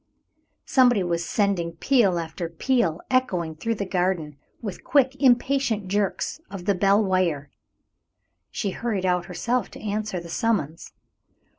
Somebody was sending peal after peal echoing through the garden, with quick, impatient jerks of the bell wire. She hurried out herself to answer the summons.